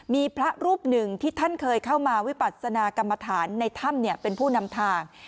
มีพระรูปหนึ่งที่ท่านเคยเข้ามาวิปัศนากรรมฐานในถ้ำเป็นผู้นำทาง